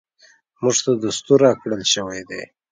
موږ ته دستور راکړل شوی دی .